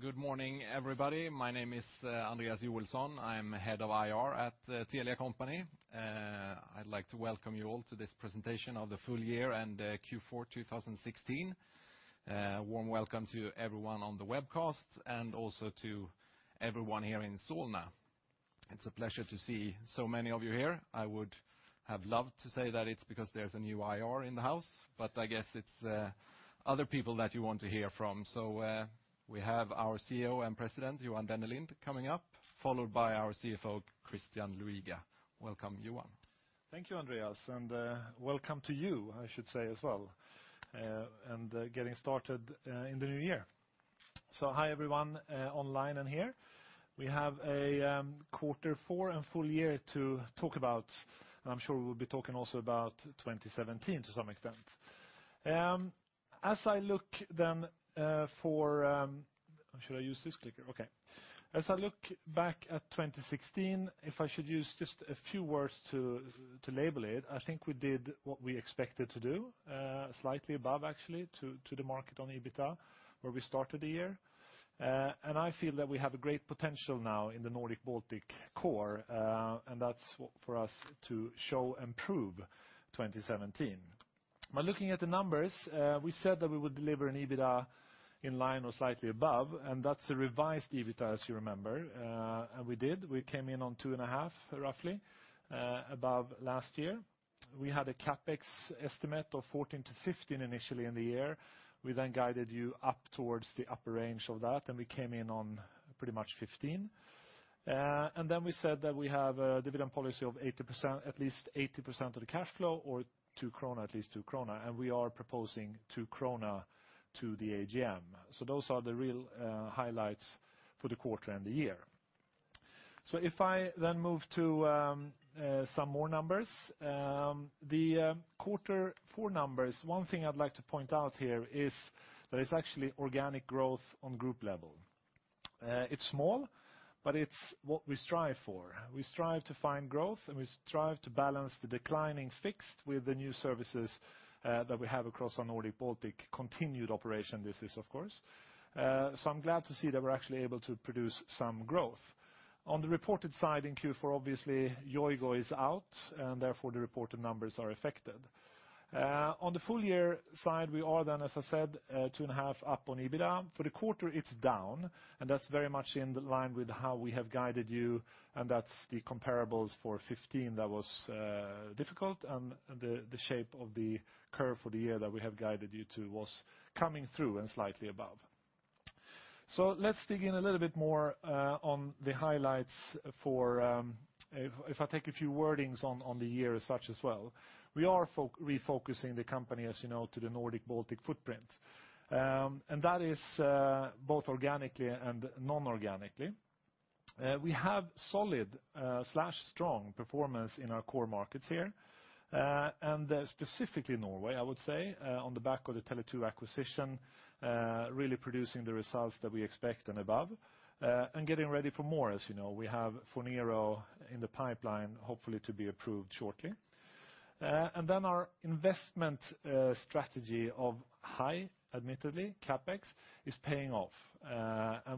Good morning, everybody. My name is Andreas Joelsson. I am Head of IR at Telia Company. I would like to welcome you all to this presentation of the full year and Q4 2016. Warm welcome to everyone on the webcast, and also to everyone here in Solna. It is a pleasure to see so many of you here. I would have loved to say that it is because there is a new IR in the house, but I guess it is other people that you want to hear from. We have our CEO and President, Johan Dennelind coming up, followed by our CFO, Christian Luiga. Welcome, Johan. Thank you, Andreas, and welcome to you, I should say as well, and getting started in the new year. Hi, everyone online and here. We have a quarter four and full year to talk about, and I am sure we will be talking also about 2017 to some extent. Should I use this clicker? Okay. As I look back at 2016, if I should use just a few words to label it, I think we did what we expected to do, slightly above actually to the market on EBITA, where we started the year. I feel that we have a great potential now in the Nordic-Baltic core, and that is for us to show and prove 2017. By looking at the numbers, we said that we would deliver an EBITA in line or slightly above, and that is a revised EBITA, as you remember. We did. We came in on 2.5, roughly, above last year. We had a CapEx estimate of 14-15 initially in the year. We then guided you up towards the upper range of that, and we came in on pretty much 15. We said that we have a dividend policy of at least 80% of the cash flow, or at least 2 krona, and we are proposing 2 krona to the AGM. Those are the real highlights for the quarter and the year. If I then move to some more numbers. The quarter four numbers, one thing I would like to point out here is that it is actually organic growth on group level. It is small, but it is what we strive for. We strive to find growth, and we strive to balance the declining fixed with the new services that we have across our Nordic-Baltic continued operation, this is of course. I am glad to see that we are actually able to produce some growth. On the reported side in Q4, obviously Yoigo is out, and therefore the reported numbers are affected. On the full year side, we are then, as I said, 2.5 up on EBITA. For the quarter it is down, and that is very much in line with how we have guided you, and that is the comparables for 2015 that was difficult. The shape of the curve for the year that we have guided you to was coming through and slightly above. Let us dig in a little bit more on the highlights for, if I take a few wordings on the year as such as well. We are refocusing the company, as you know, to the Nordic-Baltic footprint. That is both organically and non-organically. We have solid/strong performance in our core markets here, and specifically Norway, I would say, on the back of the Tele2 acquisition, really producing the results that we expect and above, and getting ready for more. As you know, we have Phonero in the pipeline, hopefully to be approved shortly. Our investment strategy of high, admittedly, CapEx is paying off.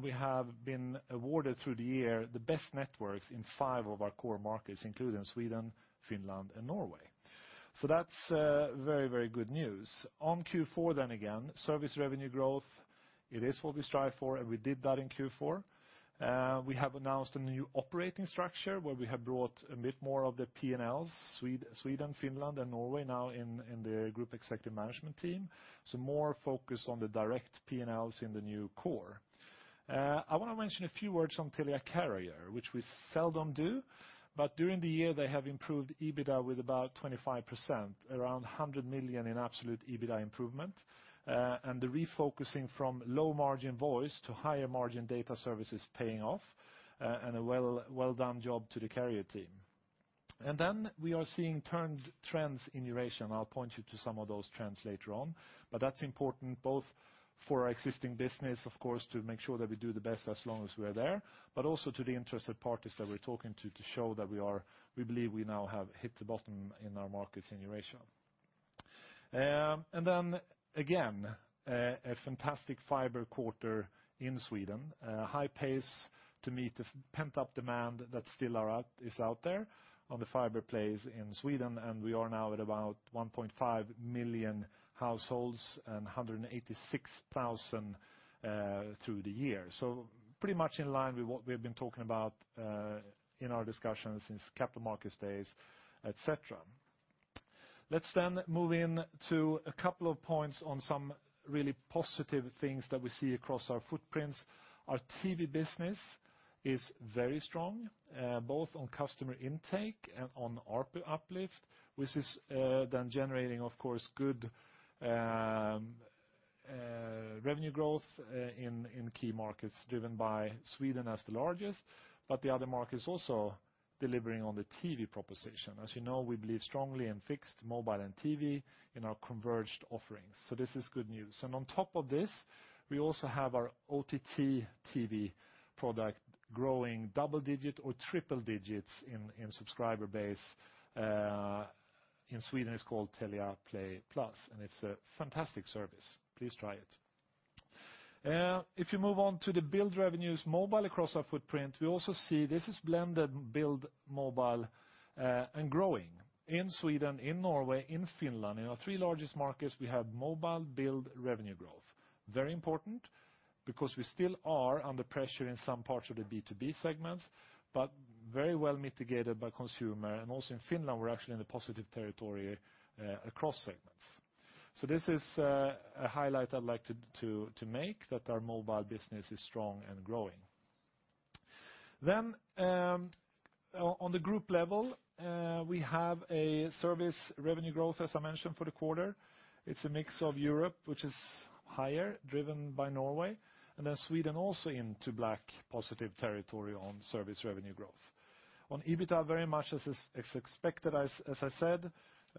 We have been awarded through the year the best networks in five of our core markets, including Sweden, Finland, and Norway. That's very good news. On Q4 again, service revenue growth, it is what we strive for, and we did that in Q4. We have announced a new operating structure where we have brought a bit more of the P&Ls, Sweden, Finland, and Norway now in the group executive management team. More focus on the direct P&Ls in the new core. I want to mention a few words on Telia Carrier, which we seldom do, but during the year they have improved EBITA with about 25%, around 100 million in absolute EBITA improvement. The refocusing from low-margin voice to higher-margin data services paying off, and a well done job to the carrier team. We are seeing trends in Eurasia, and I'll point you to some of those trends later on. That's important both for our existing business, of course, to make sure that we do the best as long as we are there, but also to the interested parties that we're talking to show that we believe we now have hit the bottom in our markets in Eurasia. Again, a fantastic fiber quarter in Sweden. A high pace to meet the pent-up demand that still is out there on the fiber plays in Sweden, and we are now at about 1.5 million households and 186,000 through the year. Pretty much in line with what we've been talking about in our discussions since Capital Market Day, et cetera. Let's move in to a couple of points on some really positive things that we see across our footprints. Our TV business is very strong, both on customer intake and on ARPU uplift, which is then generating, of course, good revenue growth in key markets, driven by Sweden as the largest, but the other markets also delivering on the TV proposition. As you know, we believe strongly in fixed mobile and TV in our converged offerings, this is good news. On top of this, we also have our OTT TV product growing double digit or triple digits in subscriber base. In Sweden it's called Telia Play Plus, and it's a fantastic service. Please try it. If you move on to the build revenues mobile across our footprint, we also see this is blended build mobile and growing in Sweden, in Norway, in Finland. In our three largest markets, we have mobile build revenue growth. Very important, because we still are under pressure in some parts of the B2B segments, but very well mitigated by consumer. In Finland, we're actually in the positive territory across segments. This is a highlight I'd like to make, that our mobile business is strong and growing. On the group level, we have a service revenue growth, as I mentioned for the quarter. It's a mix of Europe, which is higher driven by Norway. Sweden also into black positive territory on service revenue growth. On EBITA, very much as expected, as I said,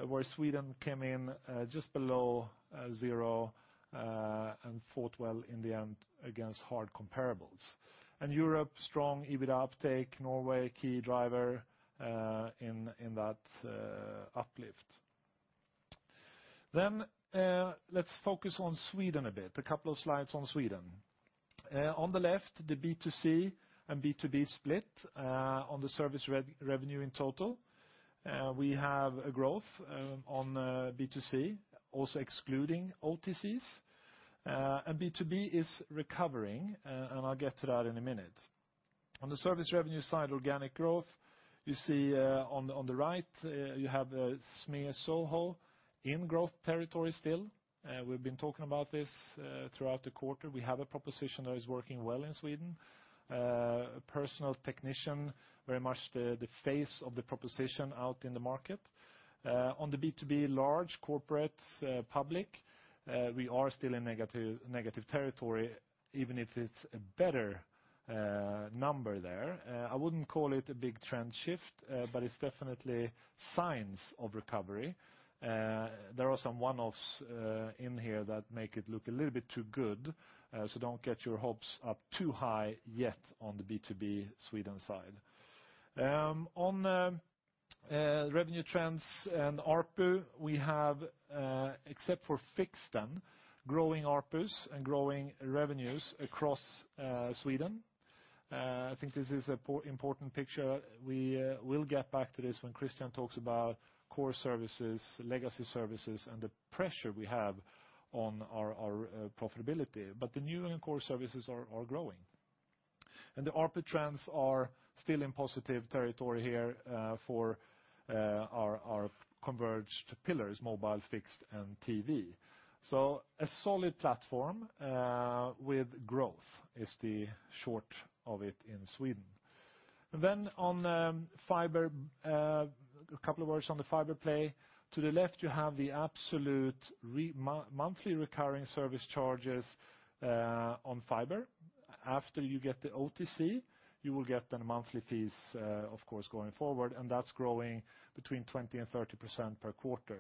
where Sweden came in just below zero, and fought well in the end against hard comparables. Europe, strong EBITA uptake, Norway, key driver in that uplift. Let's focus on Sweden a bit. A couple of slides on Sweden. On the left, the B2C and B2B split, on the service revenue in total. We have a growth on B2C, also excluding OTCs. B2B is recovering, and I'll get to that in a minute. On the service revenue side, organic growth. You see on the right, you have SME SOHO in growth territory still. We've been talking about this throughout the quarter. We have a proposition that is working well in Sweden. Personal technician, very much the face of the proposition out in the market. On the B2B large corporate public, we are still in negative territory, even if it's a better number there. I wouldn't call it a big trend shift, but it's definitely signs of recovery. There are some one-offs in here that make it look a little bit too good. Don't get your hopes up too high yet on the B2B Sweden side. On revenue trends and ARPU, we have, except for fixed then, growing ARPUs and growing revenues across Sweden. I think this is an important picture. We will get back to this when Christian talks about core services, legacy services, and the pressure we have on our profitability. The new and core services are growing. The ARPU trends are still in positive territory here, for our converged pillars, mobile, fixed, and TV. A solid platform, with growth is the short of it in Sweden. A couple of words on the fiber play. To the left, you have the absolute monthly recurring service charges on fiber. After you get the OTC, you will get the monthly fees, of course, going forward, and that's growing between 20% and 30% per quarter.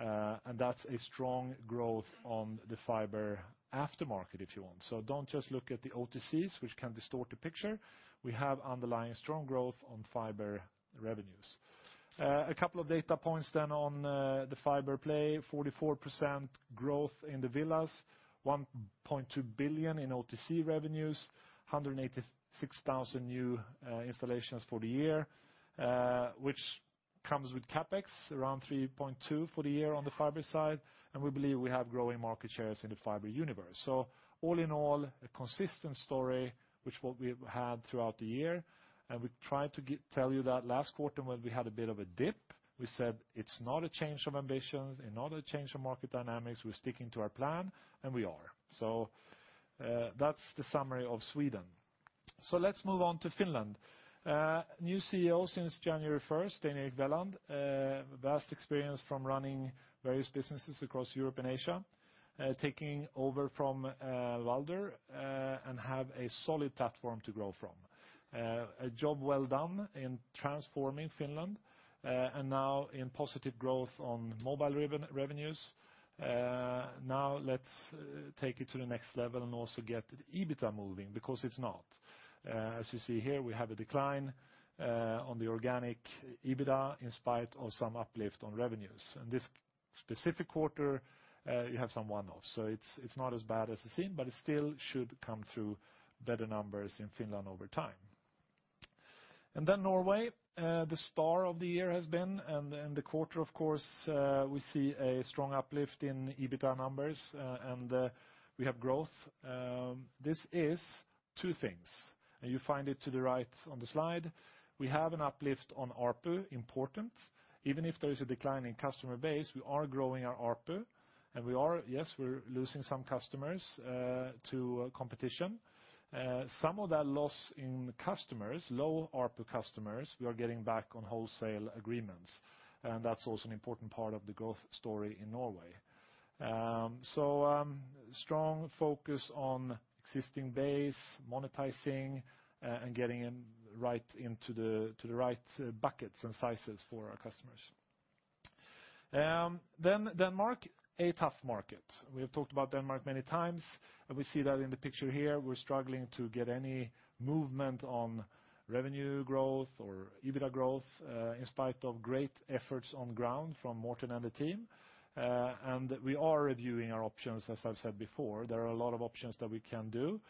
That's a strong growth on the fiber aftermarket, if you want. Don't just look at the OTCs, which can distort the picture. We have underlying strong growth on fiber revenues. A couple of data points then on the fiber play, 44% growth in the villas, 1.2 billion in OTC revenues, 186,000 new installations for the year, which comes with CapEx around 3.2 billion for the year on the fiber side. We believe we have growing market shares in the fiber universe. All in all, a consistent story, which what we've had throughout the year, and we tried to tell you that last quarter when we had a bit of a dip. We said it's not a change of ambitions and not a change of market dynamics. We're sticking to our plan, and we are. That's the summary of Sweden. Let's move on to Finland. New CEO since January 1st, Henrik Welan, vast experience from running various businesses across Europe and Asia, taking over from Valdur, and have a solid platform to grow from. A job well done in transforming Finland, and now in positive growth on mobile revenues. Let's take it to the next level and also get the EBITA moving, because it's not. As you see here, we have a decline on the organic EBITA in spite of some uplift on revenues. In this specific quarter, you have some one-offs. It's not as bad as it seems, but it still should come through better numbers in Finland over time. Norway, the star of the year has been, and the quarter, of course, we see a strong uplift in the EBITA numbers, and we have growth. This is two things, and you find it to the right on the slide. We have an uplift on ARPU important. Even if there is a decline in customer base, we are growing our ARPU, and we are, yes, we're losing some customers to competition. Some of that loss in customers, low ARPU customers, we are getting back on wholesale agreements. That's also an important part of the growth story in Norway. Strong focus on existing base, monetizing, and getting right into the right buckets and sizes for our customers. Denmark, a tough market. We have talked about Denmark many times, and we see that in the picture here. We're struggling to get any movement on revenue growth or EBITDA growth in spite of great efforts on the ground from Morten and the team. We are reviewing our options, as I've said before. There are a lot of options that we can do.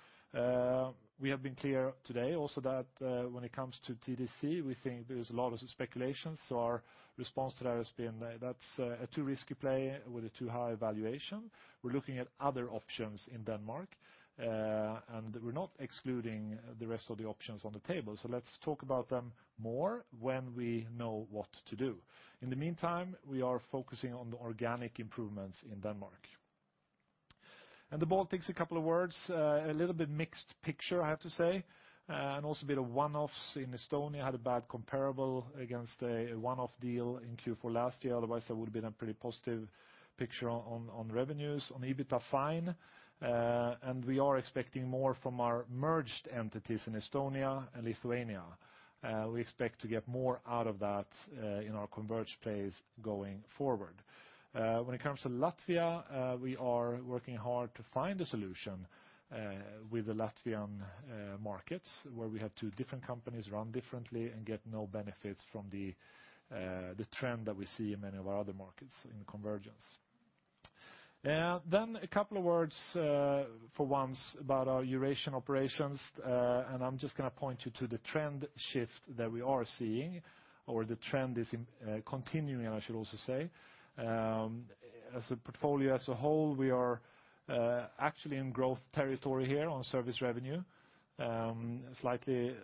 We have been clear today also that when it comes to TDC, we think there's a lot of speculation. Our response to that has been, that's a too risky play with a too high valuation. We're looking at other options in Denmark, and we're not excluding the rest of the options on the table. Let's talk about them more when we know what to do. In the meantime, we are focusing on the organic improvements in Denmark. The Baltics, a couple of words. A little bit mixed picture, I have to say, and also a bit of one-offs in Estonia, had a bad comparable against a one-off deal in Q4 last year. Otherwise, that would have been a pretty positive picture on revenues. On EBITDA, fine. We are expecting more from our merged entities in Estonia and Lithuania. We expect to get more out of that in our converged plays going forward. When it comes to Latvia, we are working hard to find a solution with the Latvian markets, where we have two different companies run differently and get no benefits from the trend that we see in many of our other markets in convergence. A couple of words for once about our Eurasian operations, and I'm just going to point you to the trend shift that we are seeing, or the trend is continuing, I should also say. As a portfolio as a whole, we are actually in growth territory here on service revenue, slightly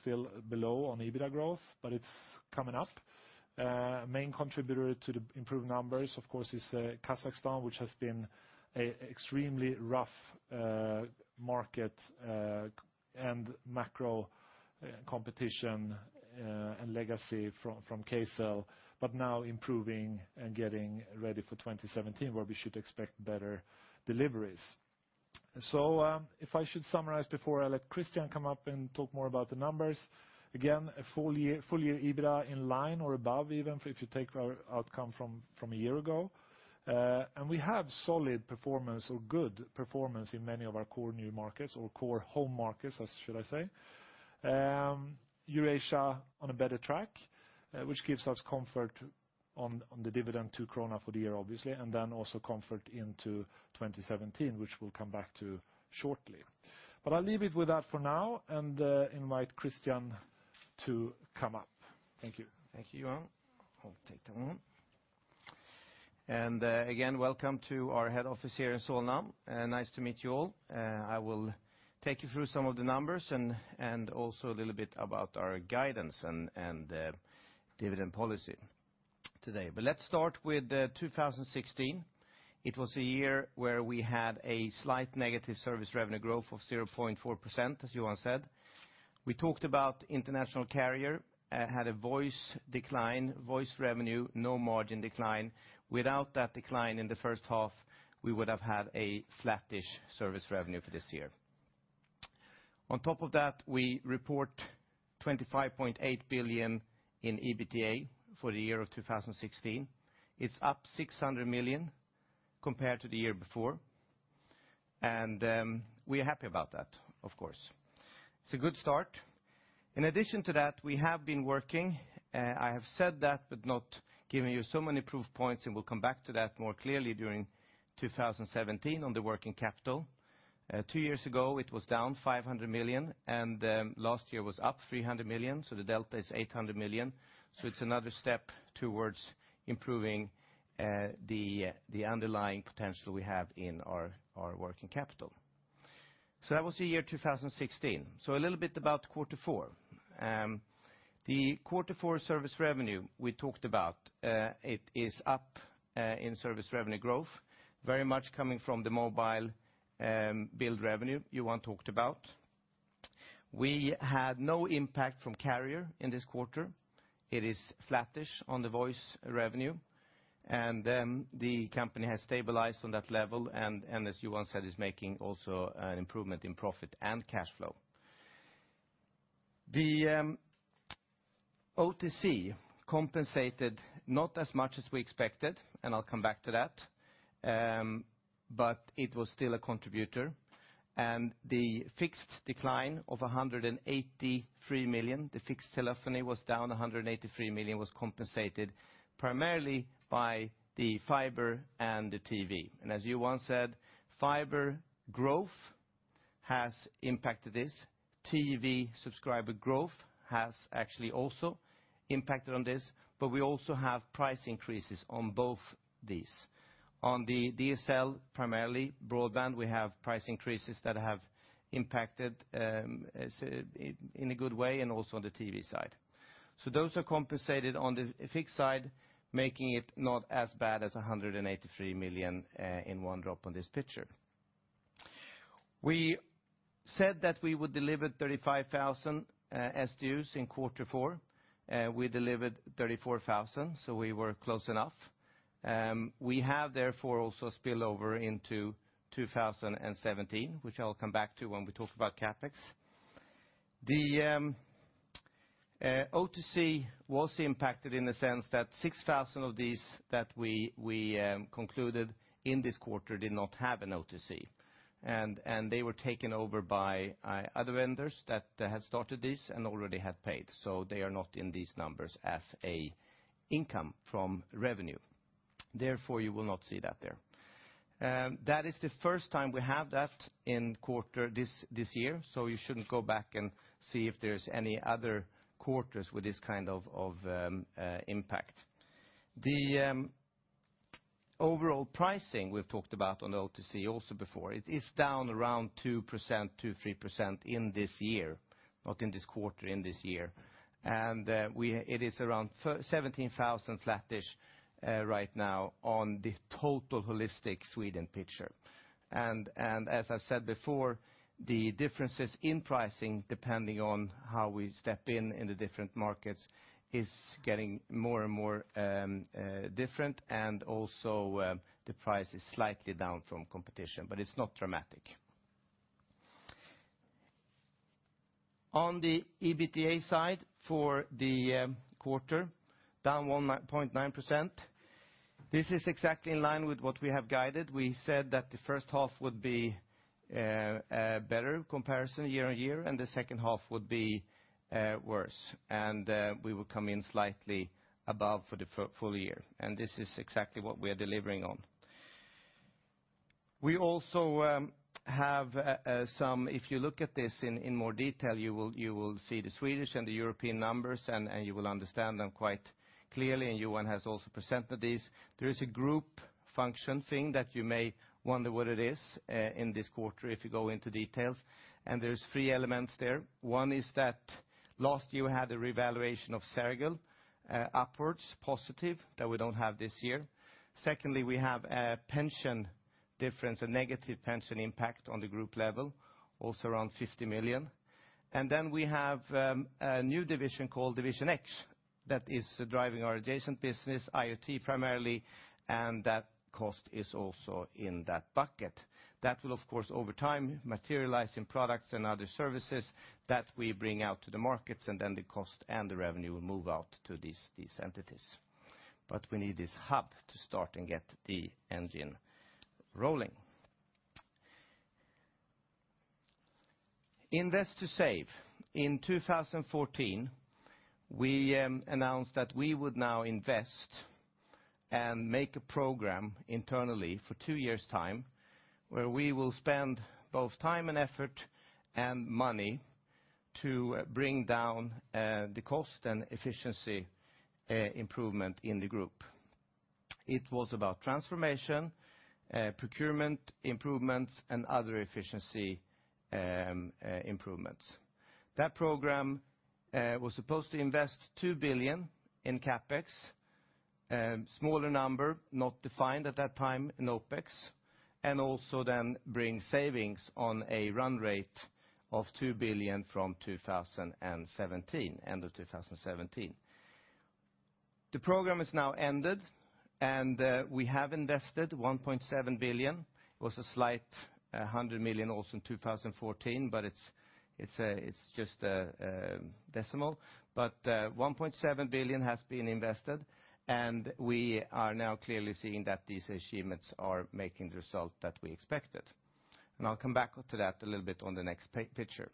still below on EBITDA growth, but it's coming up. Main contributor to the improved numbers, of course, is Kazakhstan, which has been extremely rough market and macro competition and legacy from Kcell, but now improving and getting ready for 2017, where we should expect better deliveries. If I should summarize before I let Christian come up and talk more about the numbers, again, a full year EBITDA in line or above even if you take our outcome from a year ago. We have solid performance or good performance in many of our core new markets or core home markets, as should I say. Eurasia on a better track, which gives us comfort on the dividend SEK 2 for the year, obviously, and then also comfort into 2017, which we will come back to shortly. I will leave it with that for now and invite Christian to come up. Thank you. Thank you, Johan. I will take that one. Again, welcome to our head office here in Solna. Nice to meet you all. I will take you through some of the numbers and also a little bit about our guidance and dividend policy today. Let us start with 2016. It was a year where we had a slight negative service revenue growth of 0.4%, as Johan said. We talked about international carrier had a voice decline, voice revenue, no margin decline. Without that decline in the first half, we would have had a flattish service revenue for this year. On top of that, we report 25.8 billion in EBITDA for the year of 2016. It is up 600 million compared to the year before. We are happy about that, of course. It is a good start. In addition to that, we have been working. I have said that, but not given you so many proof points, and we will come back to that more clearly during 2017 on the working capital. Two years ago, it was down 500 million, and last year was up 300 million, so the delta is 800 million. It is another step towards improving the underlying potential we have in our working capital. That was the year 2016. A little bit about quarter four. The quarter four service revenue we talked about, it is up in service revenue growth, very much coming from the mobile build revenue Johan talked about. We had no impact from carrier in this quarter. It is flattish on the voice revenue, and the company has stabilized on that level, and as Johan said, is making also an improvement in profit and cash flow. The OTC compensated not as much as we expected, I will come back to that, it was still a contributor. The fixed decline of 183 million, the fixed telephony was down 183 million, was compensated primarily by the fiber and the TV. As Johan said, fiber growth has impacted this. TV subscriber growth has actually also impacted on this, but we also have price increases on both these. On the DSL, primarily broadband, we have price increases that have impacted in a good way and also on the TV side. Those are compensated on the fixed side, making it not as bad as 183 million in one drop on this picture. We said that we would deliver 35,000 SDUs in quarter four. We delivered 34,000, so we were close enough. We have therefore also spillover into 2017, which I'll come back to when we talk about CapEx. The OTC was impacted in the sense that 6,000 of these that we concluded in this quarter did not have an OTC, and they were taken over by other vendors that had started this and already had paid. They are not in these numbers as an income from revenue. Therefore, you will not see that there. That is the first time we have that in quarter this year, so you shouldn't go back and see if there's any other quarters with this kind of impact. It is down around 2%, two, 3% in this year, not in this quarter, in this year. It is around 17,000 flattish right now on the total holistic Sweden picture. As I've said before, the differences in pricing, depending on how we step in in the different markets, is getting more and more different and also the price is slightly down from competition, but it's not dramatic. On the EBITDA side for the quarter, down 1.9%. This is exactly in line with what we have guided. We said that the first half would be a better comparison year-on-year, and the second half would be worse, and we will come in slightly above for the full year. This is exactly what we are delivering on. We also have If you look at this in more detail, you will see the Swedish and the European numbers, and you will understand them quite clearly, and Johan has also presented these. There is a group function thing that you may wonder what it is in this quarter if you go into details, and there's three elements there. One is that last year we had a revaluation of Sergel upwards, positive, that we don't have this year. Secondly, we have a pension difference, a negative pension impact on the group level, also around 50 million. Then we have a new division called Division X that is driving our adjacent business, IoT primarily, and that cost is also in that bucket. That will, of course, over time materialize in products and other services that we bring out to the markets, and then the cost and the revenue will move out to these entities. We need this hub to start and get the engine rolling. Invest to save. In 2014, we announced that we would now invest and make a program internally for two years time, where we will spend both time and effort and money to bring down the cost and efficiency improvement in the group. It was about transformation, procurement improvements, and other efficiency improvements. That program was supposed to invest 2 billion in CapEx, a smaller number, not defined at that time in OpEx, and also then bring savings on a run rate of 2 billion from end of 2017. The program is now ended. We have invested 1.7 billion. It was a slight 100 million also in 2014, but it's just a decimal. 1.7 billion has been invested. We are now clearly seeing that these achievements are making the result that we expected. I'll come back to that a little bit on the next picture.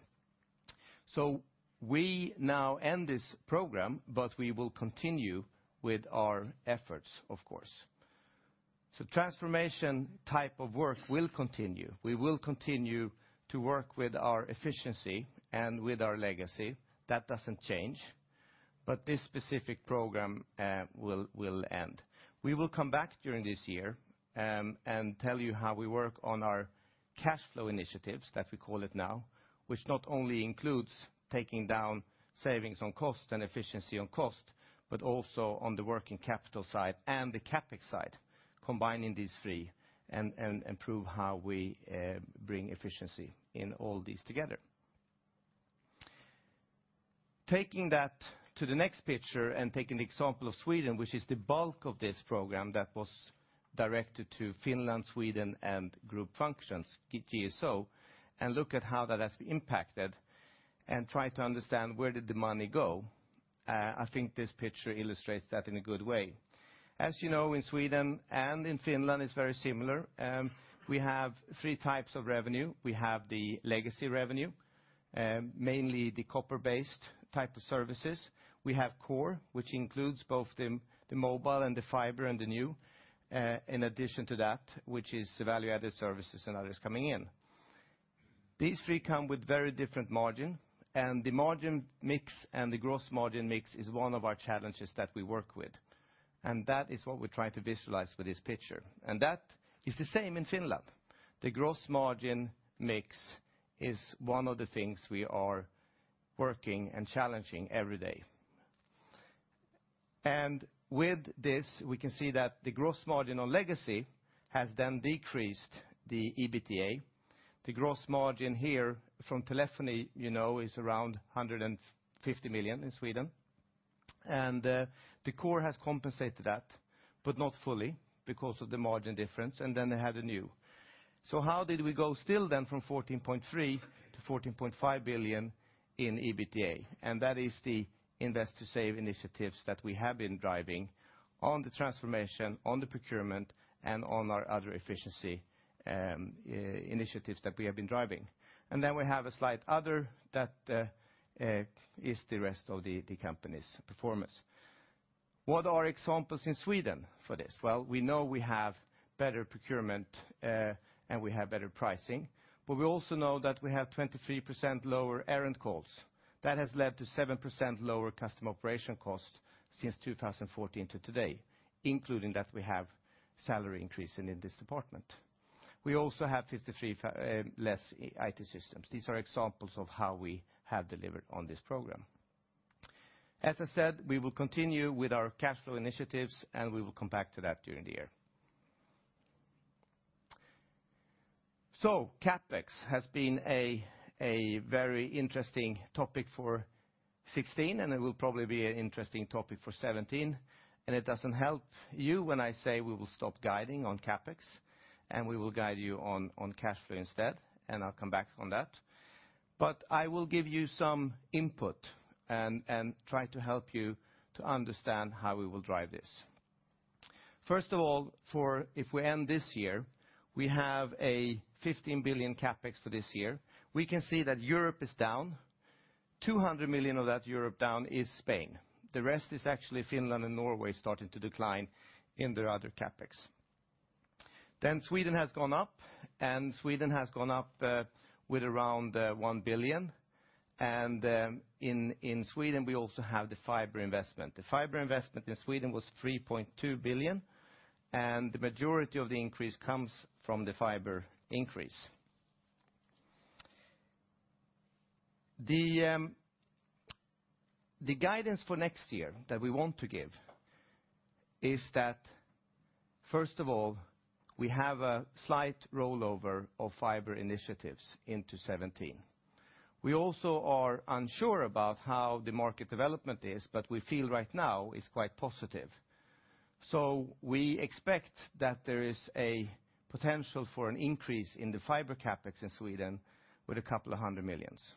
We now end this program, but we will continue with our efforts, of course. Transformation type of work will continue. We will continue to work with our efficiency and with our legacy. That doesn't change, but this specific program will end. We will come back during this year and tell you how we work on our cash flow initiatives, that we call it now, which not only includes taking down savings on cost and efficiency on cost, but also on the working capital side and the CapEx side, combining these three, and prove how we bring efficiency in all these together. Taking that to the next picture and taking the example of Sweden, which is the bulk of this program that was directed to Finland, Sweden, and group functions, GSO, and look at how that has impacted and try to understand where did the money go. I think this picture illustrates that in a good way. As you know, in Sweden and in Finland, it's very similar. We have 3 types of revenue. We have the legacy revenue, mainly the copper-based type of services. We have core, which includes both the mobile and the fiber and the new in addition to that, which is value-added services and others coming in. These three come with very different margin, and the margin mix and the gross margin mix is one of our challenges that we work with. That is what we're trying to visualize with this picture. That is the same in Finland. The gross margin mix is one of the things we are working and challenging every day. With this, we can see that the gross margin on legacy has then decreased the EBITDA. The gross margin here from telephony is around 150 million in Sweden. The core has compensated that, but not fully because of the margin difference. Then they had a new. How did we go still then from 14.3 billion to 14.5 billion in EBITDA? That is the invest to save initiatives that we have been driving on the transformation, on the procurement, and on our other efficiency initiatives that we have been driving. Then we have a slight other that is the rest of the company's performance. What are examples in Sweden for this? Well, we know we have better procurement, and we have better pricing, but we also know that we have 23% lower errand calls. That has led to 7% lower customer operation costs since 2014 to today, including that we have salary increase in this department. We also have 53 less IT systems. These are examples of how we have delivered on this program. As I said, we will continue with our cash flow initiatives, and we will come back to that during the year. CapEx has been a very interesting topic for 2016, and it will probably be an interesting topic for 2017. It doesn't help you when I say we will stop guiding on CapEx, and we will guide you on cash flow instead, and I'll come back on that. I will give you some input and try to help you to understand how we will drive this. First of all, if we end this year, we have a 15 billion CapEx for this year. We can see that Europe is down. 200 million of that Europe down is Spain. The rest is actually Finland and Norway starting to decline in their other CapEx. Sweden has gone up, and Sweden has gone up with around 1 billion. In Sweden, we also have the fiber investment. The fiber investment in Sweden was 3.2 billion, and the majority of the increase comes from the fiber increase. The guidance for next year that we want to give is that, first of all, we have a slight rollover of fiber initiatives into 2017. We also are unsure about how the market development is, but we feel right now it's quite positive. We expect that there is a potential for an increase in the fiber CapEx in Sweden with a couple of hundred million SEK.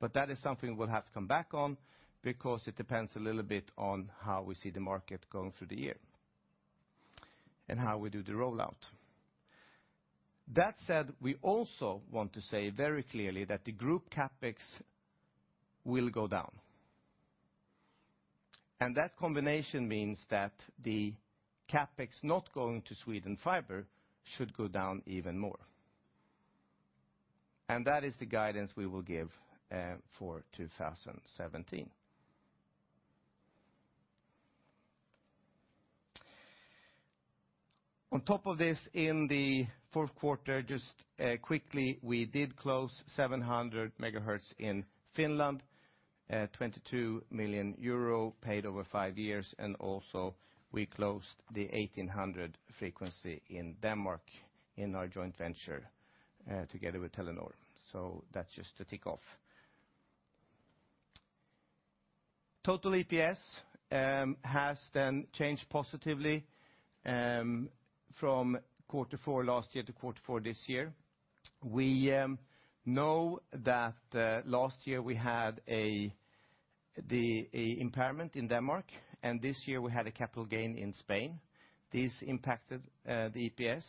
But that is something we'll have to come back on because it depends a little bit on how we see the market going through the year and how we do the rollout. That said, we also want to say very clearly that the group CapEx will go down. That combination means that the CapEx not going to Sweden fiber should go down even more. That is the guidance we will give for 2017. On top of this, in the fourth quarter, just quickly, we did close 700 MHz in Finland, 22 million euro paid over five years, and also we closed the 1800 MHz in Denmark in our joint venture together with Telenor. That's just to tick off. Total EPS has then changed positively from Q4 last year to Q4 this year. We know that last year we had the impairment in Denmark, and this year we had a capital gain in Spain. This impacted the EPS.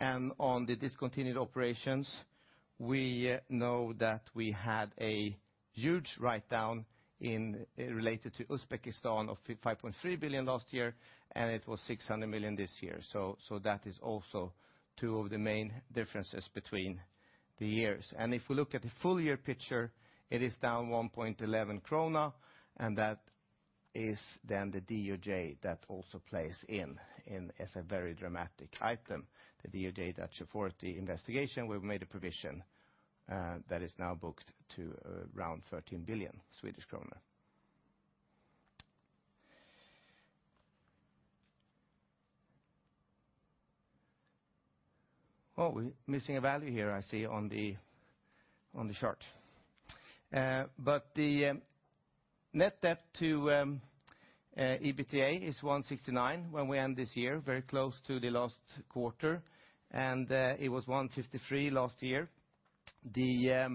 On the discontinued operations, we know that we had a huge writedown related to Uzbekistan of 5.3 billion last year, and it was 600 million this year. That is also two of the main differences between the years. If we look at the full-year picture, it is down 1.11 krona, and that is then the DoJ that also plays in as a very dramatic item. The DoJ, Dutch Authority investigation, we've made a provision that is now booked to around 13 billion Swedish kronor. Oh, we're missing a value here, I see on the chart. But the net debt to EBITDA is 169% when we end this year, very close to the last quarter, and it was 153% last year. The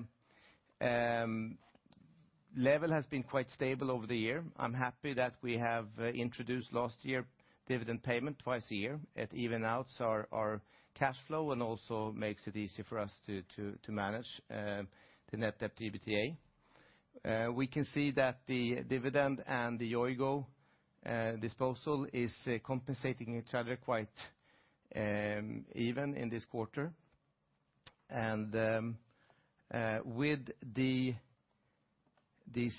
level has been quite stable over the year. I'm happy that we have introduced last year dividend payment twice a year. It even outs our cash flow and also makes it easy for us to manage the net debt to EBITDA. We can see that the dividend and the Yoigo disposal is compensating each other quite even in this quarter. With the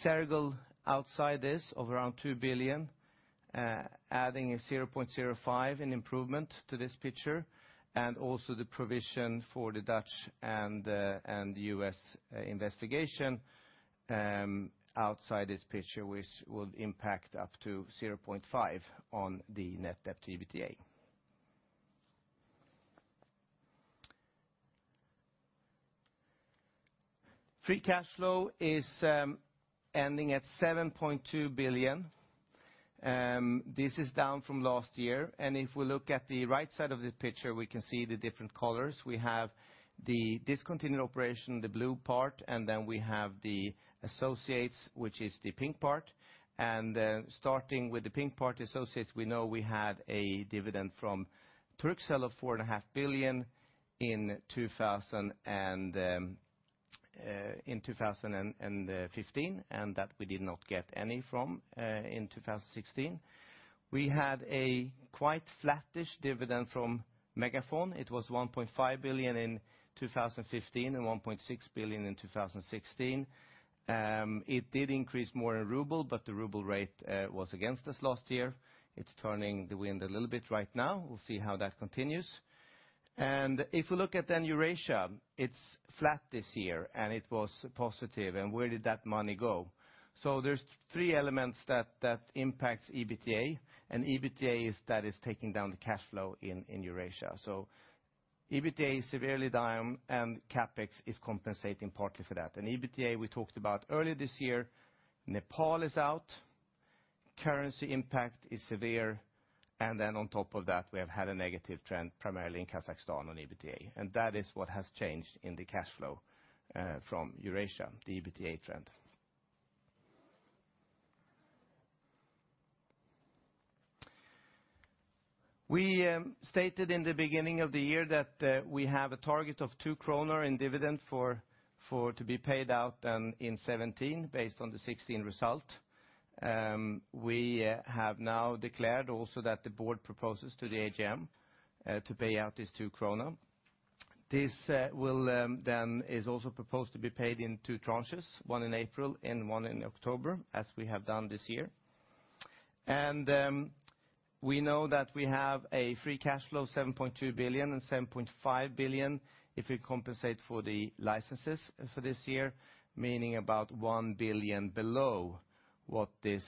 Sergel outside this of around 2 billion, adding a 0.05 in improvement to this picture, also the provision for the Dutch and the U.S. investigation outside this picture, which will impact up to 0.5 on the net debt to EBITDA. Free cash flow is ending at 7.2 billion. This is down from last year, if we look at the right side of the picture, we can see the different colors. We have the discontinued operation, the blue part, we have the associates, which is the pink part. Starting with the pink part, associates, we know we had a dividend from Turkcell of 4.5 billion in 2015, and that we did not get any from in 2016. We had a quite flattish dividend from MegaFon. It was 1.5 billion in 2015 and 1.6 billion in 2016. It did increase more in ruble, but the ruble rate was against us last year. It's turning the wind a little bit right now. We'll see how that continues. If we look at then Eurasia, it's flat this year, and it was positive. Where did that money go? There's 3 elements that impacts EBITDA, and EBITDA is that it's taking down the cash flow in Eurasia. EBITDA is severely down, and CapEx is compensating partly for that. EBITDA, we talked about earlier this year, Nepal is out, currency impact is severe, and then on top of that, we have had a negative trend, primarily in Kazakhstan, on EBITDA. That is what has changed in the cash flow from Eurasia, the EBITDA trend. We stated in the beginning of the year that we have a target of 2 kronor in dividend to be paid out in 2017 based on the 2016 result. We have now declared also that the board proposes to the AGM to pay out these 2 krona. This then is also proposed to be paid in 2 tranches, one in April and one in October, as we have done this year. We know that we have a free cash flow of 7.2 billion and 7.5 billion if we compensate for the licenses for this year, meaning about 1 billion below what this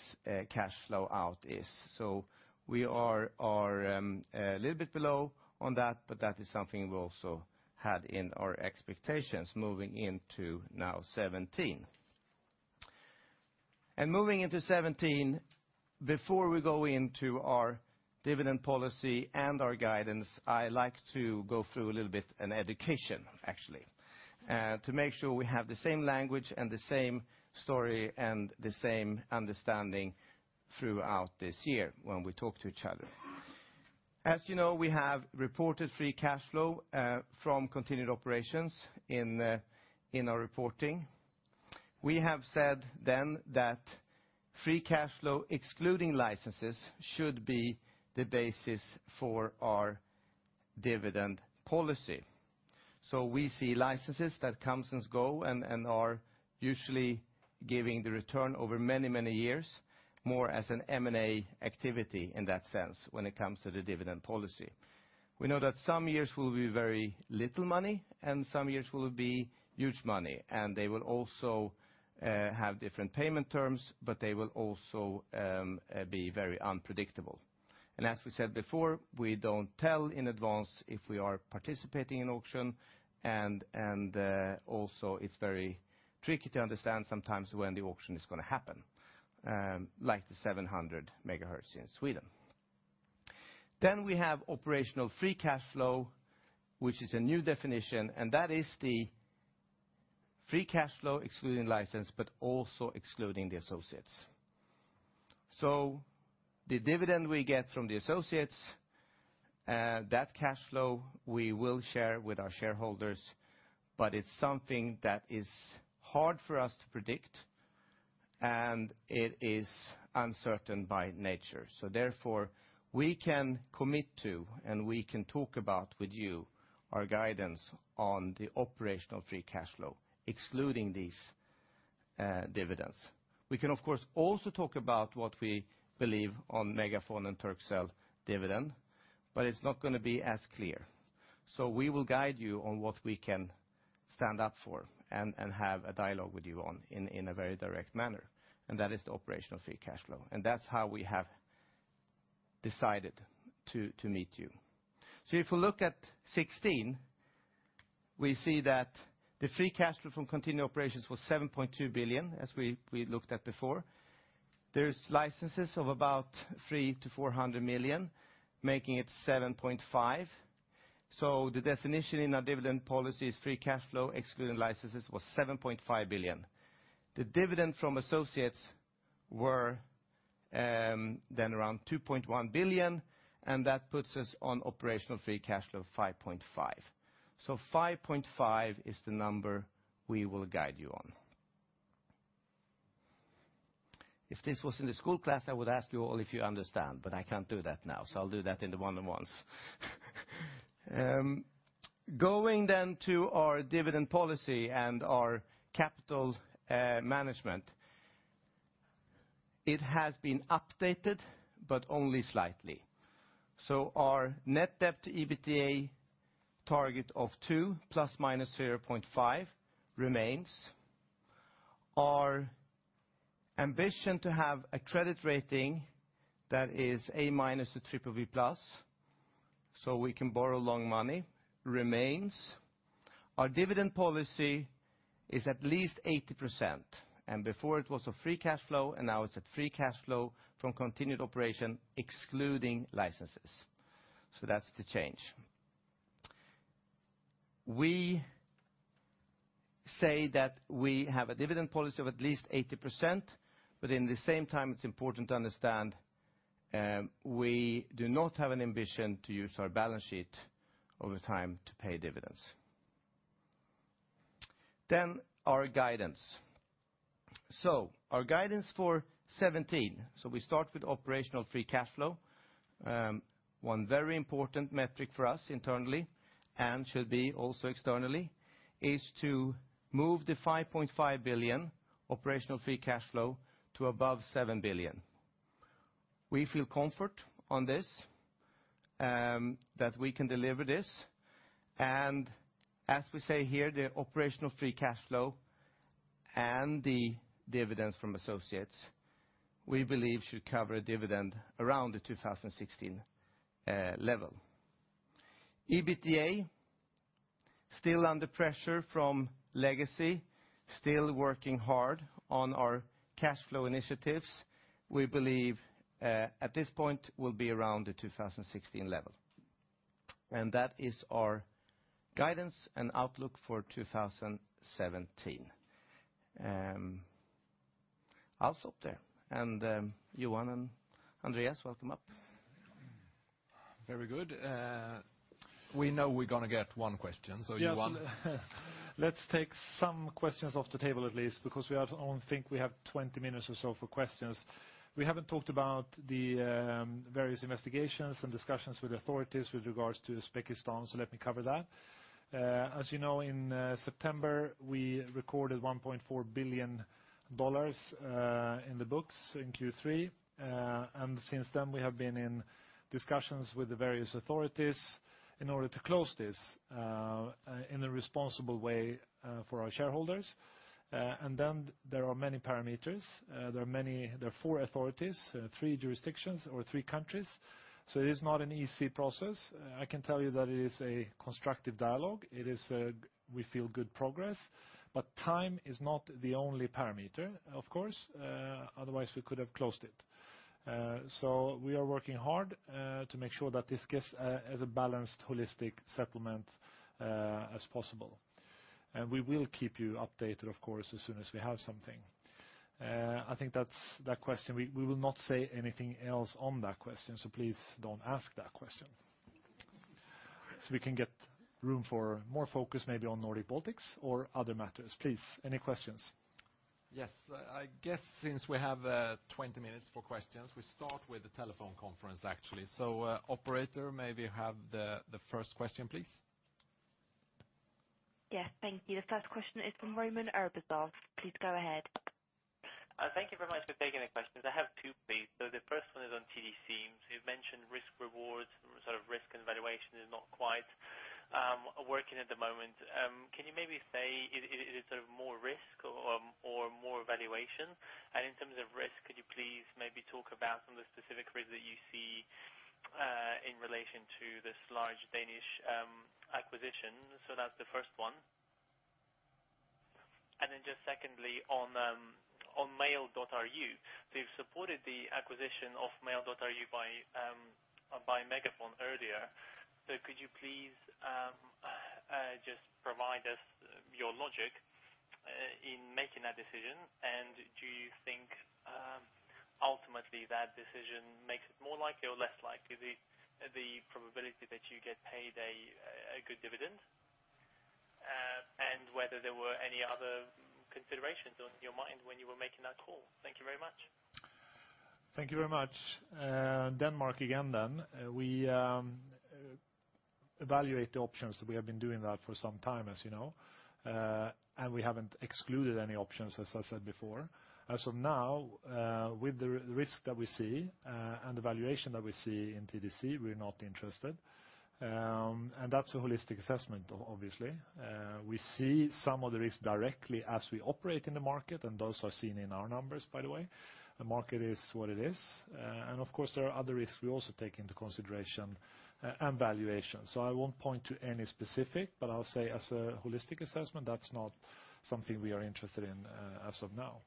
cash flow out is. We are a little bit below on that, but that is something we also had in our expectations moving into now 2017. Moving into 2017, before we go into our dividend policy and our guidance, I like to go through a little bit an education, actually, to make sure we have the same language and the same story and the same understanding throughout this year when we talk to each other. As you know, we have reported free cash flow from continued operations in our reporting. We have said then that free cash flow, excluding licenses, should be the basis for our dividend policy. We see licenses that come and go and are usually giving the return over many years, more as an M&A activity in that sense, when it comes to the dividend policy. We know that some years will be very little money and some years will be huge money, and they will also have different payment terms, but they will also be very unpredictable. As we said before, we don't tell in advance if we are participating in auction. Also it's very tricky to understand sometimes when the auction is going to happen, like the 700 MHz in Sweden. Then we have operational free cash flow, which is a new definition, and that is the free cash flow excluding license, but also excluding the associates. The dividend we get from the associates, that cash flow we will share with our shareholders, it is something that is hard for us to predict, and it is uncertain by nature. Therefore, we can commit to, and we can talk about with you our guidance on the operational free cash flow, excluding these dividends. We can, of course, also talk about what we believe on MegaFon and Turkcell dividend, it is not going to be as clear. We will guide you on what we can stand up for and have a dialogue with you on in a very direct manner, and that is the operational free cash flow. That is how we have decided to meet you. If you look at 2016, we see that the free cash flow from continued operations was 7.2 billion, as we looked at before. There are licenses of about 300 million to 400 million, making it 7.5 billion. The definition in our dividend policy is free cash flow excluding licenses was 7.5 billion. The dividend from associates were then around 2.1 billion, and that puts us on operational free cash flow of 5.5 billion. 5.5 billion is the number we will guide you on. If this was in the school class, I would ask you all if you understand, I cannot do that now, I will do that in the one-on-ones. Going to our dividend policy and our capital management. It has been updated, only slightly. Our net debt to EBITDA target of 2 ±0.5 remains. Our ambition to have a credit rating that is A- to BBB+ so we can borrow long money remains. Our dividend policy is at least 80%, before it was a free cash flow and now it is at free cash flow from continued operation excluding licenses. That is the change. We say that we have a dividend policy of at least 80%, in the same time it is important to understand, we do not have an ambition to use our balance sheet over time to pay dividends. Our guidance. Our guidance for 2017. We start with operational free cash flow. One very important metric for us internally and should be also externally is to move the 5.5 billion operational free cash flow to above 7 billion. We feel comfort on this, that we can deliver this and as we say here the operational free cash flow and the dividends from associates we believe should cover a dividend around the 2016 level. EBITDA still under pressure from legacy, still working hard on our cash flow initiatives. We believe at this point will be around the 2016 level and that is our guidance and outlook for 2017. I will stop there and Johan and Andreas welcome up. Very good. We know we're going to get one question, Johan. Yes. Let's take some questions off the table at least because we only think we have 20 minutes or so for questions. We haven't talked about the various investigations and discussions with authorities with regards to Uzbekistan so let me cover that. As you know in September we recorded SEK 1.4 billion in the books in Q3, and since then we have been in discussions with the various authorities in order to close this in a responsible way for our shareholders. There are many parameters, there are four authorities, three jurisdictions or three countries so it is not an easy process. I can tell you that it is a constructive dialogue. We feel good progress. Time is not the only parameter of course, otherwise we could have closed it. We are working hard to make sure that this gets as a balanced holistic settlement as possible. We will keep you updated of course as soon as we have something. I think that question we will not say anything else on that question so please don't ask that question. We can get room for more focus maybe on Nordic Baltics or other matters. Please, any questions? Yes. I guess since we have 20 minutes for questions we start with the telephone conference actually so operator may we have the first question please. Yes, thank you. The first question is from Roman Arbuzov. Please go ahead. Thank you very much for taking the questions. I have two please. The first one is on TDC. You mentioned risk rewards, sort of risk and valuation is not quite working at the moment. Can you maybe say is it sort of more risk or more valuation? In terms of risk could you please maybe talk about some of the specific risks that you see in relation to this large Danish acquisition? That's the first one. Secondly on Mail.ru you've supported the acquisition of Mail.ru by MegaFon earlier, could you please just provide us your logic in making that decision and do you think ultimately that decision makes it more likely or less likely the probability that you get paid a good dividend? Whether there were any other considerations on your mind when you were making that call. Thank you very much. Thank you very much. Denmark again. We evaluate the options that we have been doing that for some time as you know. We haven't excluded any options as I said before. As of now with the risk that we see and the valuation that we see in TDC we're not interested, and that's a holistic assessment obviously. We see some of the risks directly as we operate in the market and those are seen in our numbers by the way. The market is what it is and of course there are other risks we also take into consideration and valuation. I won't point to any specific but I'll say as a holistic assessment that's not something we are interested in as of now.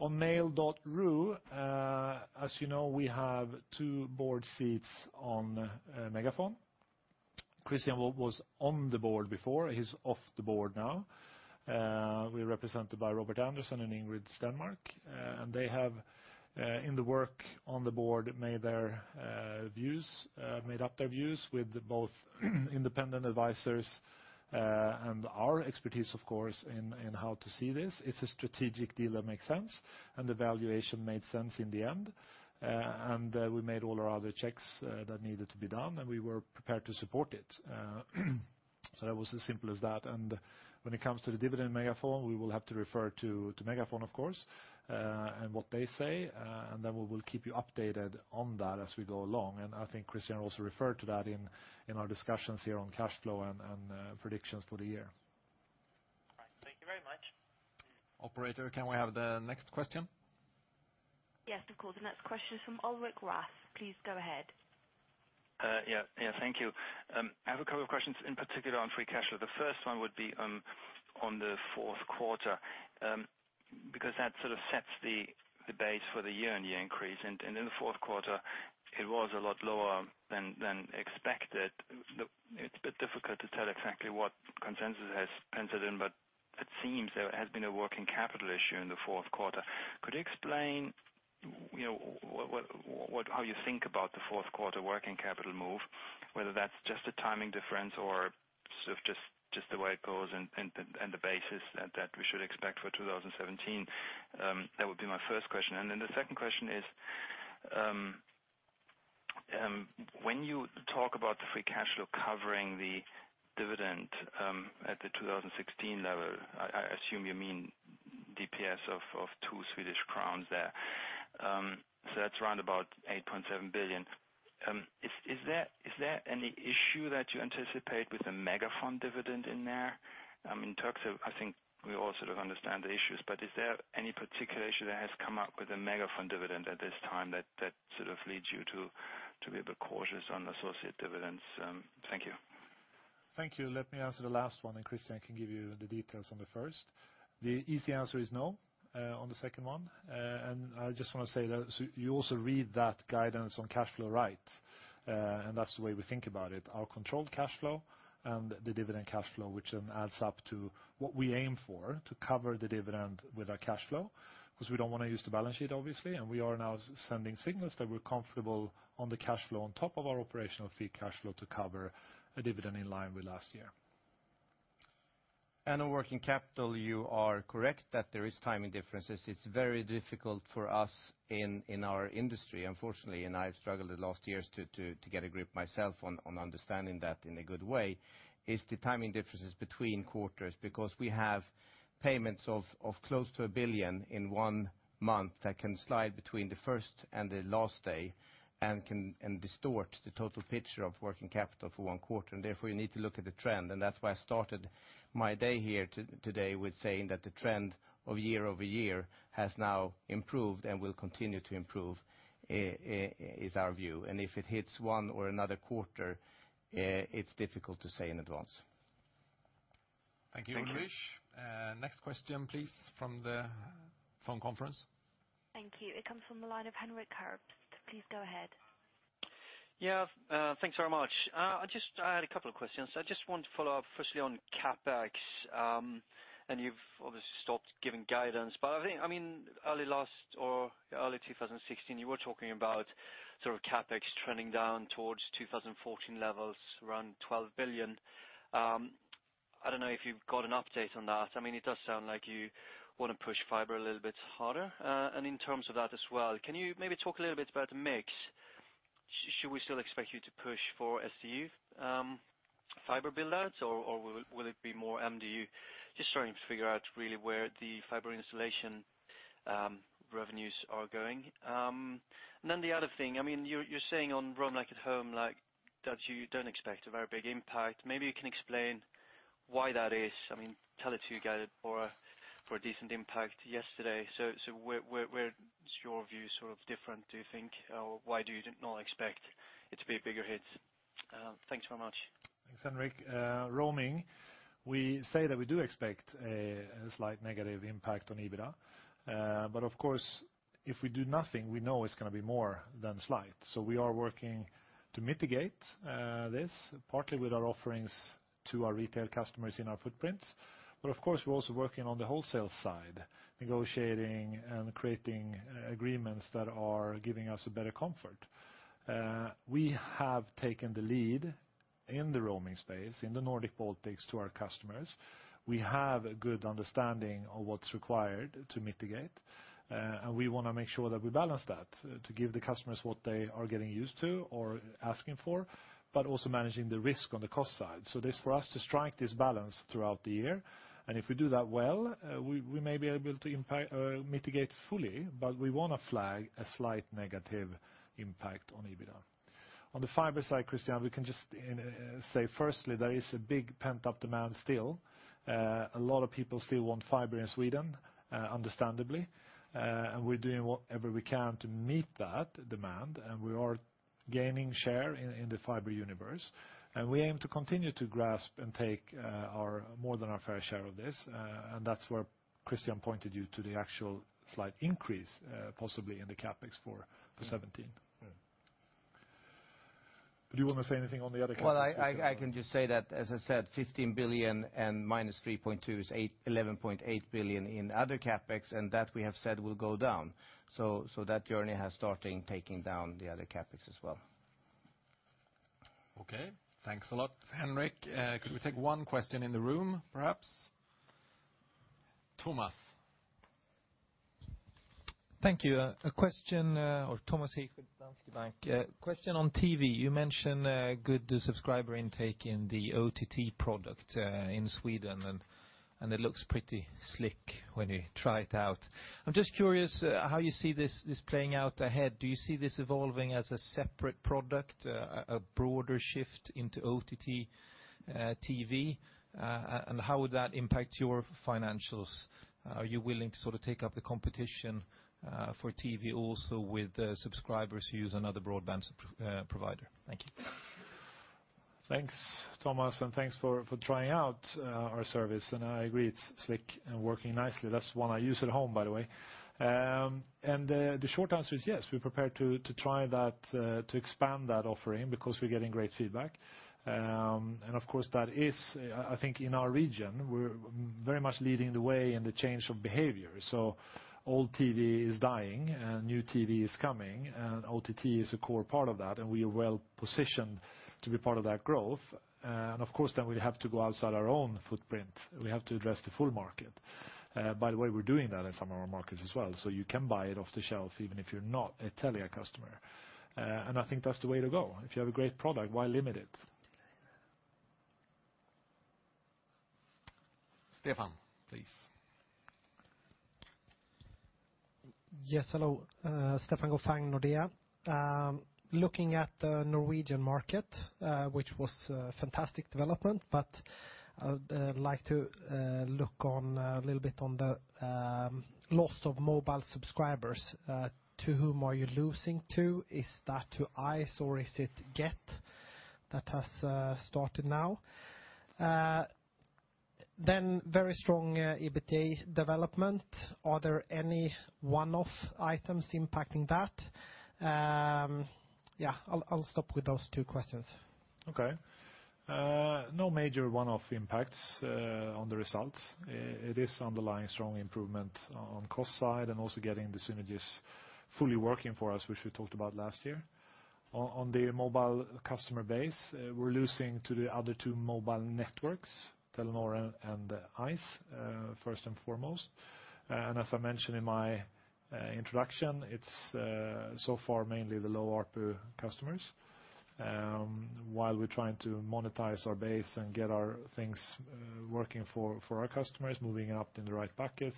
On Mail.ru as you know we have two board seats on MegaFon. Christian was on the board before, he's off the board now. We're represented by Robert Andersson and Ingrid Stenmark and they have in the work on the board made up their views with both independent advisors and our expertise of course in how to see this. It's a strategic deal that makes sense and the valuation made sense in the end. We made all our other checks that needed to be done and we were prepared to support it. That was as simple as that and when it comes to the dividend MegaFon we will have to refer to MegaFon of course and what they say, and then we will keep you updated on that as we go along and I think Christian also referred to that in our discussions here on cash flow and predictions for the year. Operator, can we have the next question? Yes, of course. The next question is from Ulrich Rathe. Please go ahead. Yeah. Thank you. I have a couple of questions, in particular on free cash flow. The first one would be on the fourth quarter because that sort of sets the base for the year-on-year increase, and in the fourth quarter, it was a lot lower than expected. It's a bit difficult to tell exactly what consensus has penciled in, but it seems there has been a working capital issue in the fourth quarter. Could you explain how you think about the fourth quarter working capital move, whether that's just a timing difference or just the way it goes and the basis that we should expect for 2017? That would be my first question. The second question is, when you talk about the free cash flow covering the dividend at the 2016 level, I assume you mean DPS of 2 Swedish crowns there. That's around about 8.7 billion. Is there any issue that you anticipate with the MegaFon dividend in there? In terms of, I think we all sort of understand the issues, is there any particular issue that has come up with the MegaFon dividend at this time that sort of leads you to be a bit cautious on associate dividends? Thank you. Thank you. Let me answer the last one. Christian can give you the details on the first. The easy answer is no on the second one. I just want to say that you also read that guidance on cash flow right, and that's the way we think about it. Our controlled cash flow and the dividend cash flow, which then adds up to what we aim for to cover the dividend with our cash flow, because we don't want to use the balance sheet, obviously. We are now sending signals that we're comfortable on the cash flow on top of our operational free cash flow to cover a dividend in line with last year. On working capital, you are correct that there is timing differences. It's very difficult for us in our industry, unfortunately, and I've struggled the last years to get a grip myself on understanding that in a good way, is the timing differences between quarters, because we have payments of close to 1 billion in one month that can slide between the first and the last day and can distort the total picture of working capital for one quarter. Therefore, you need to look at the trend, and that's why I started my day here today with saying that the trend of year-over-year has now improved and will continue to improve, is our view. If it hits one or another quarter, it's difficult to say in advance. Thank you. Thank you. Next question, please, from the phone conference. Thank you. It comes from the line of Henrik Herp. Please go ahead. Yeah. Thanks very much. I had a couple of questions. I just want to follow up firstly on CapEx, and you've obviously stopped giving guidance. But I think early 2016, you were talking about sort of CapEx trending down towards 2014 levels, around 12 billion. I don't know if you've got an update on that. It does sound like you want to push fiber a little bit harder. And in terms of that as well, can you maybe talk a little bit about the mix? Should we still expect you to push for SDU fiber build-outs, or will it be more MDU? Just trying to figure out really where the fiber installation revenues are going. And then the other thing, you're saying on Roam Like at Home, that you don't expect a very big impact. Maybe you can explain why that is. Telia guided for a decent impact yesterday. Where is your view sort of different, do you think? Why do you not expect it to be a bigger hit? Thanks very much. Thanks, Henrik. Roaming, we say that we do expect a slight negative impact on EBITDA. Of course, if we do nothing, we know it's going to be more than slight. We are working to mitigate this, partly with our offerings to our retail customers in our footprints. Of course, we're also working on the wholesale side, negotiating and creating agreements that are giving us a better comfort. We have taken the lead in the roaming space, in the Nordic-Baltics to our customers. We have a good understanding of what's required to mitigate, and we want to make sure that we balance that to give the customers what they are getting used to or asking for, but also managing the risk on the cost side. It is for us to strike this balance throughout the year, and if we do that well, we may be able to mitigate fully, but we want to flag a slight negative impact on EBITDA. On the fiber side, Christian, we can just say firstly, there is a big pent-up demand still. A lot of people still want fiber in Sweden, understandably, and we're doing whatever we can to meet that demand, and we are gaining share in the fiber universe, and we aim to continue to grasp and take more than our fair share of this. That's where Christian pointed you to the actual slight increase, possibly in the CapEx for 2017. Do you want to say anything on the other CapEx? Well, I can just say that, as I said, 15 billion and minus 3.2 billion is 11.8 billion in other CapEx. That we have said will go down. That journey has started taking down the other CapEx as well. Okay. Thanks a lot, Henrik. Could we take one question in the room, perhaps? Thomas. Thank you. Thomas Eckert, Danske Bank. A question on TV. You mentioned a good subscriber intake in the OTT product in Sweden, and it looks pretty slick when you try it out. I'm just curious how you see this playing out ahead. Do you see this evolving as a separate product, a broader shift into OTT TV? How would that impact your financials? Are you willing to sort of take up the competition for TV also with subscribers who use another broadband provider? Thank you. Thanks, Thomas, and thanks for trying out our service. I agree, it's slick and working nicely. That's one I use at home, by the way. The short answer is yes, we're prepared to try to expand that offering because we're getting great feedback. Of course, that is, I think in our region, we're very much leading the way in the change of behavior. Old TV is dying and new TV is coming, and OTT is a core part of that, and we are well-positioned to be part of that growth. Of course, then we have to go outside our own footprint. We have to address the full market. By the way, we're doing that in some of our markets as well. You can buy it off the shelf, even if you're not a Telia customer. I think that's the way to go. If you have a great product, why limit it? Stefan, please. Yes. Hello. Stefan Gauffin, Nordea. Looking at the Norwegian market, which was a fantastic development, I would like to look a little bit on the loss of mobile subscribers. To whom are you losing to? Is that to ice or is it Get that has started now? Very strong EBITDA development. Are there any one-off items impacting that? Yeah, I'll stop with those two questions. Okay. No major one-off impacts on the results. It is underlying strong improvement on cost side and also getting the synergies fully working for us, which we talked about last year. On the mobile customer base, we're losing to the other two mobile networks, Telenor and ice, first and foremost. As I mentioned in my introduction, it's so far mainly the low ARPU customers. While we're trying to monetize our base and get our things working for our customers, moving up in the right buckets,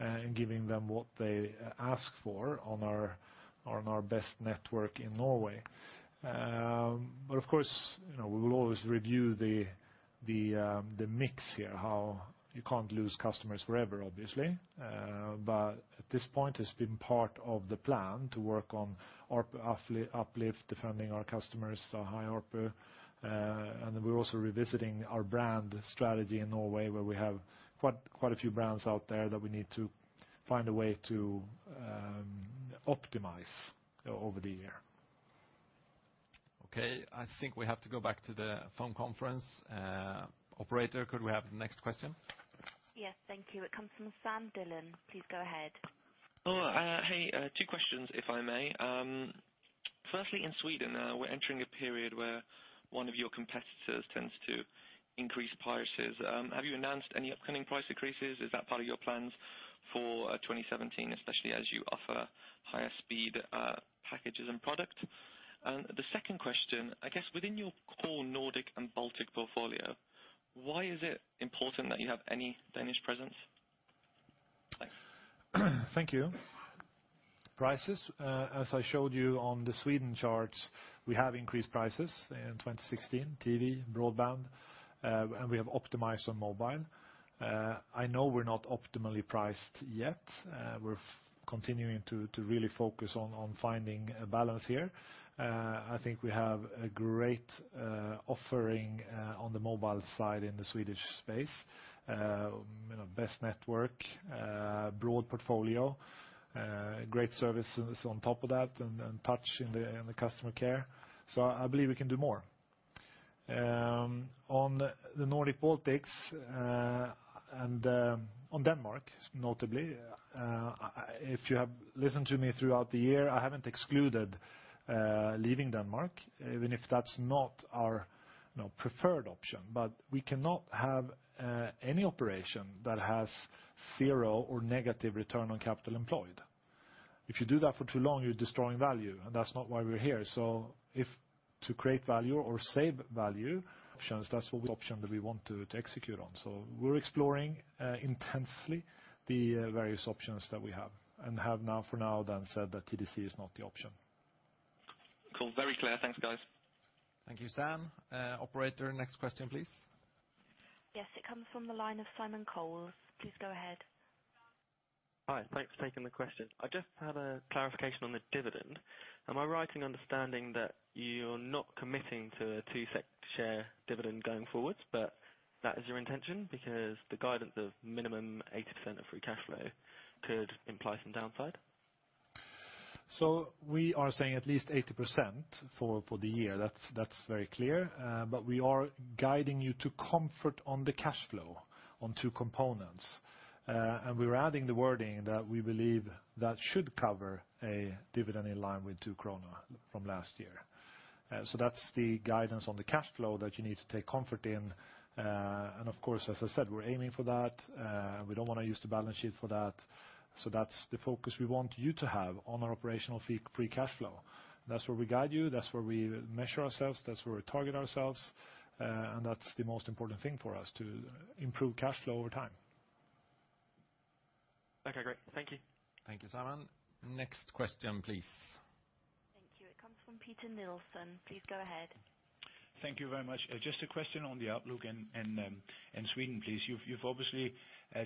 and giving them what they ask for on our best network in Norway. Of course, we will always review the mix here, how you can't lose customers forever, obviously. At this point, it's been part of the plan to work on ARPU uplift, defending our customers, our high ARPU. We're also revisiting our brand strategy in Norway, where we have quite a few brands out there that we need to find a way to optimize over the year. Okay, I think we have to go back to the phone conference. Operator, could we have the next question? Yes. Thank you. It comes from Sam Dillon. Please go ahead. Hey. Two questions, if I may. Firstly, in Sweden, we're entering a period where one of your competitors tends to increase prices. Have you announced any upcoming price increases? Is that part of your plans for 2017, especially as you offer higher speed packages and product? The second question, I guess within your core Nordic and Baltic portfolio, why is it important that you have any Danish presence? Thanks. Thank you. Prices, as I showed you on the Sweden charts, we have increased prices in 2016, TV, broadband, and we have optimized on mobile. I know we're not optimally priced yet. We're continuing to really focus on finding a balance here. I think we have a great offering on the mobile side in the Swedish space. Best network, broad portfolio, great service on top of that, and touch in the customer care. I believe we can do more. On the Nordic-Baltics, on Denmark, notably, if you have listened to me throughout the year, I haven't excluded leaving Denmark, even if that's not our preferred option. We cannot have any operation that has zero or negative return on capital employed. If you do that for too long, you're destroying value, and that's not why we're here. If to create value or save value options, that's what option that we want to execute on. We're exploring intensely the various options that we have and have now for now then said that TDC is not the option. Cool. Very clear. Thanks, guys. Thank you, Sam. Operator, next question, please. Yes, it comes from the line of Simon Coles. Please go ahead. Hi, thanks for taking the question. I just had a clarification on the dividend. Am I right in understanding that you're not committing to a two SEK share dividend going forward, but that is your intention? Because the guidance of minimum 80% of free cash flow could imply some downside. We are saying at least 80% for the year. That's very clear. We are guiding you to comfort on the cash flow on two components. We're adding the wording that we believe that should cover a dividend in line with two SEK from last year. That's the guidance on the cash flow that you need to take comfort in. Of course, as I said, we're aiming for that. We don't want to use the balance sheet for that. That's the focus we want you to have on our operational free cash flow. That's where we guide you. That's where we measure ourselves. That's where we target ourselves. That's the most important thing for us to improve cash flow over time. Okay, great. Thank you. Thank you, Simon. Next question, please. From Peter Nilsson. Please go ahead. Thank you very much. Just a question on the outlook and Sweden, please. You've obviously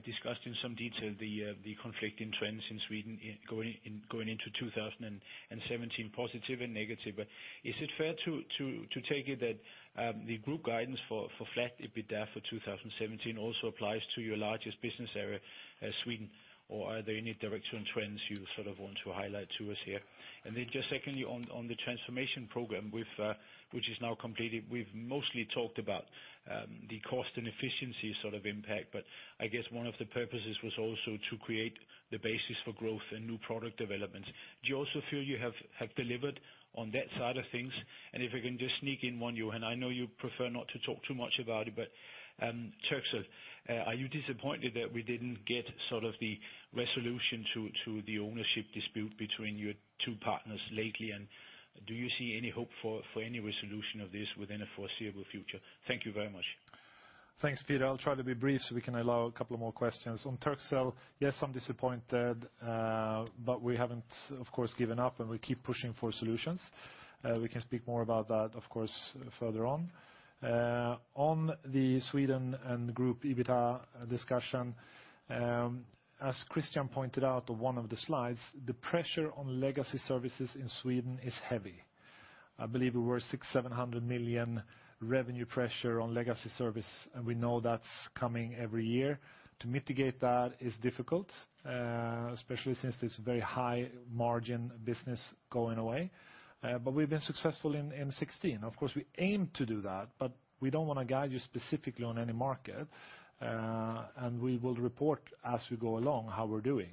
discussed in some detail the conflicting trends in Sweden going into 2017, positive and negative. Is it fair to take it that the group guidance for flat EBITDA for 2017 also applies to your largest business area, Sweden? Are there any directional trends you sort of want to highlight to us here? Just secondly, on the transformation program which is now completed, we've mostly talked about the cost and efficiency sort of impact, but I guess one of the purposes was also to create the basis for growth and new product developments. Do you also feel you have delivered on that side of things? If I can just sneak in one, Johan, I know you prefer not to talk too much about it, but Turkcell, are you disappointed that we didn't get sort of the resolution to the ownership dispute between your two partners lately? Do you see any hope for any resolution of this within the foreseeable future? Thank you very much. Thanks, Peter. I'll try to be brief so we can allow a couple more questions. On Turkcell, yes, I'm disappointed. We haven't, of course, given up, and we keep pushing for solutions. We can speak more about that, of course, further on. On the Sweden and group EBITDA discussion, as Christian pointed out on one of the slides, the pressure on legacy services in Sweden is heavy. I believe we were 600 million, 700 million revenue pressure on legacy service, and we know that's coming every year. To mitigate that is difficult, especially since it's a very high-margin business going away. We've been successful in 2016. Of course, we aim to do that, but we don't want to guide you specifically on any market. We will report as we go along how we're doing.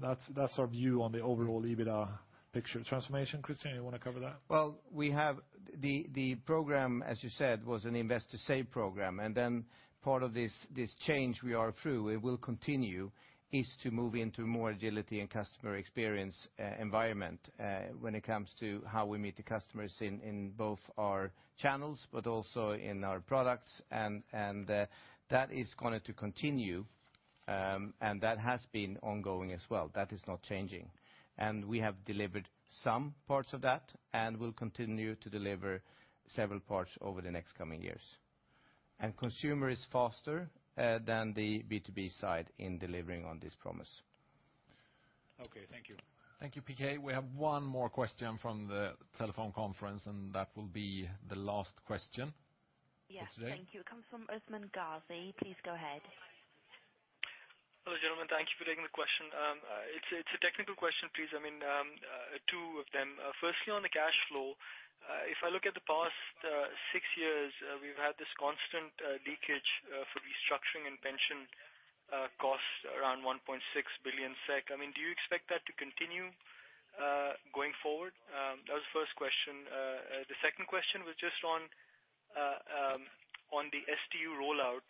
That's our view on the overall EBITDA picture. Transformation, Christian, you want to cover that? Well, we have the program, as you said, was an invest to save program. Part of this change we are through, it will continue, is to move into more agility and customer experience environment, when it comes to how we meet the customers in both our channels, but also in our products. That is going to continue, and that has been ongoing as well. That is not changing. We have delivered some parts of that and will continue to deliver several parts over the next coming years. Consumer is faster than the B2B side in delivering on this promise. Okay. Thank you. Thank you, Peter. We have one more question from the telephone conference. That will be the last question for today. Yes. Thank you. It comes from Usman Ghazi. Please go ahead. Hello, gentlemen. Thank you for taking the question. It's a technical question, please. Two of them. Firstly, on the cash flow, if I look at the past six years, we've had this constant leakage for restructuring and pension costs around 1.6 billion SEK. Do you expect that to continue going forward? That was the first question. The second question was just on the SDU rollout.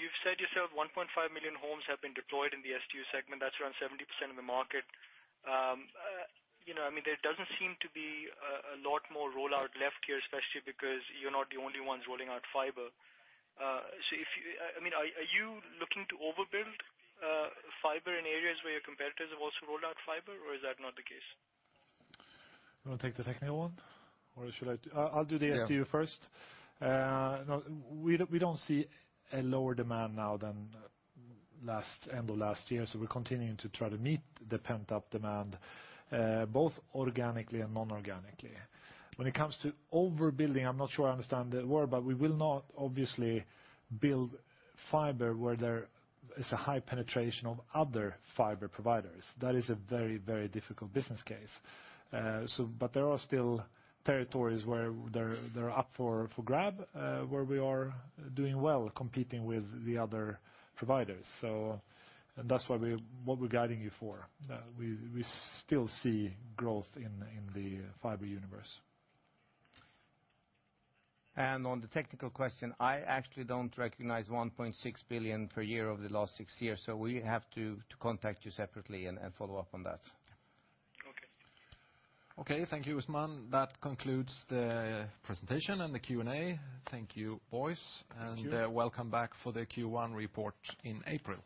You've said yourself 1.5 million homes have been deployed in the SDU segment. That's around 70% of the market. There doesn't seem to be a lot more rollout left here, especially because you're not the only ones rolling out fiber. Are you looking to overbuild fiber in areas where your competitors have also rolled out fiber, or is that not the case? You want to take the technical one, or should I? I'll do the SDU first. Yeah. We don't see a lower demand now than end of last year. We're continuing to try to meet the pent-up demand, both organically and non-organically. When it comes to overbuilding, I'm not sure I understand the word, but we will not obviously build fiber where there is a high penetration of other fiber providers. That is a very difficult business case. There are still territories where they're up for grab, where we are doing well competing with the other providers. That's what we're guiding you for. We still see growth in the fiber universe. On the technical question, I actually don't recognize 1.6 billion per year over the last six years. We have to contact you separately and follow up on that. Okay. Okay. Thank you, Usman. That concludes the presentation and the Q&A. Thank you, boys. Thank you. Welcome back for the Q1 report in April.